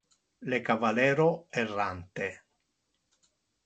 Le cavallero errante.